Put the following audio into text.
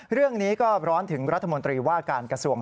เรื่องนี้ก็ร้อนถึงรัฐมนตรีว่าการกระทรวง